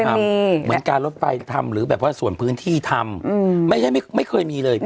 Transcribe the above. เหมือนการรถไฟทำหรือแบบว่าส่วนพื้นที่ทำไม่ใช่ไม่เคยมีเลย